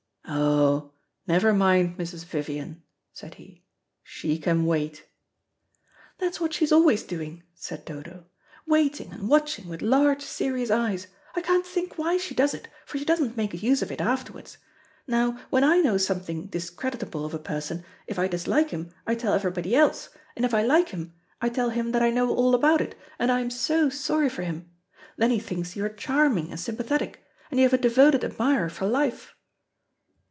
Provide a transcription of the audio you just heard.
"Oh, never mind Mrs. Vivian," said he, "she can wait." "That's what she's always doing," said Dodo. "Waiting and watching with large serious eyes. I can't think why she does it, for she doesn't make use of it afterwards. Now when I know something discreditable of a person, if I dislike him, I tell everybody else, and if I like him, I tell him that I know all about it, and I am so sorry for him. Then he thinks you are charming and sympathetic, and you have a devoted admirer for life."